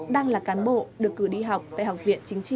đang là cán bộ được cử đi học tại học viện chính trị bộ quốc phòng